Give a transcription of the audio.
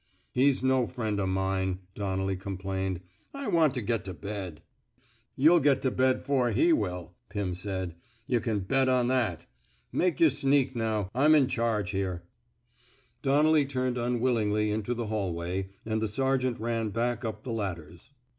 He's no friend o' mine," Donnelly com plained. ^^ I want to get to bed." '' Yuh'U get to bed 'fore he will," Pim said. '* Yuh can bet on that. Make yer sneak, now. I'm in charge here." Donnelly turned unwillingly into the hallway, and the sergeant ran back up the ladders.